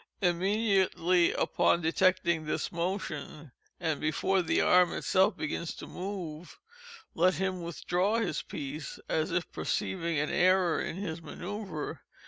Immediately upon detecting this motion, and before the arm itself begins to move, let him withdraw his piece, as if perceiving an error in his manœuvre.